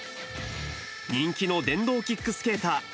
人気の電動キックスケーター。